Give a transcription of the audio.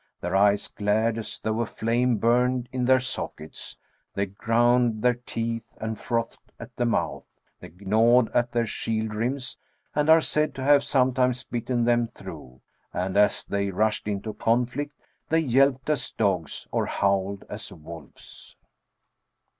Their eyes glared as though a flame burned in the sockets, they ground their teeth, and frothed at the mouth ; they gnawed at their shield rims, and are said to have sometimes bitten them through, and as they rushed into conflict they yelped as dogs or howled as wolves.